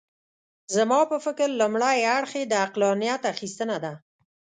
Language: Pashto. زما په فکر لومړی اړخ یې د عقلانیت اخیستنه ده.